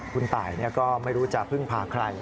คุณตายก็ไม่รู้จะพึ่งพาใคร